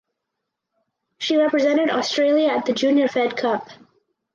She represented Australia at the Junior Fed Cup.